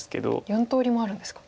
４通りもあるんですか。